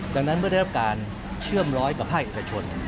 ดังนั้นเมื่อได้รับการเชื่อมร้อยกับภาคเอกชน